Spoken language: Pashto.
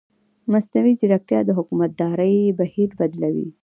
مصنوعي ځیرکتیا د حکومتدارۍ بهیر بدلوي.